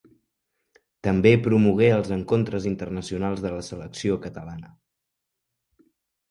També promogué els encontres internacionals de la selecció catalana.